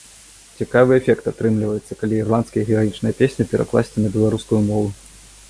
Цікавы эфект атрымліваецца, калі ірландскія гераічныя песні перакласці на беларускую мову.